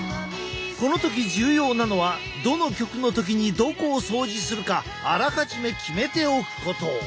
この時重要なのはどの曲の時にどこを掃除するかあらかじめ決めておくこと。